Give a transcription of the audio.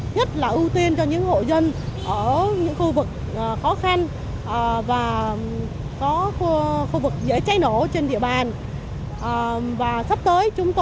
nhất là ưu tiên cho những hộ dân ở những khu vực khó khăn và có khu vực dễ cháy nổ trên địa bàn